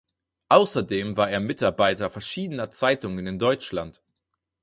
Außerdem war er Mitarbeiter verschiedener Zeitungen in Deutschland.